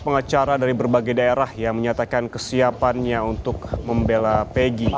pengacara dari berbagai daerah yang menyatakan kesiapannya untuk membela pegi